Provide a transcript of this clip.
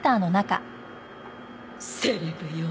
セレブよ！